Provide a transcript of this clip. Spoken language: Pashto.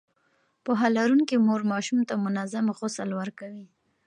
پوهه لرونکې مور ماشوم ته منظم غسل ورکوي.